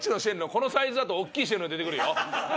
このサイズだとおっきい神龍出てくるよ。